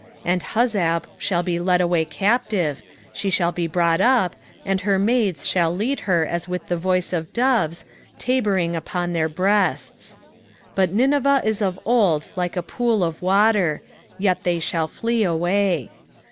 2:7 And Huzzab shall be led away captive, she shall be brought up, and her maids shall lead her as with the voice of doves, tabering upon their breasts. 2:8 But Nineveh is of old like a pool of water: yet they shall flee away.